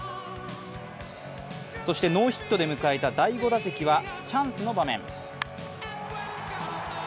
そしてノーヒットで迎えた第５打席はチャンスの場面。